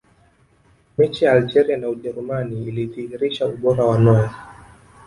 mechi ya algeria na ujerumani ilidhihirisha ubora wa neuer